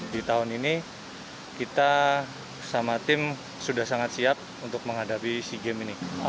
di tahun ini kita sama tim sudah sangat siap untuk menghadapi sea games ini